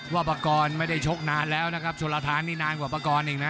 ประกอบไม่ได้ชกนานแล้วนะครับชนละทานนี่นานกว่าประกอบอีกนะ